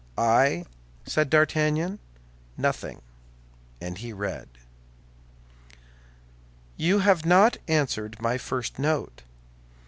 "I?" said D'Artagnan; "nothing," and he read, "You have not answered my first note.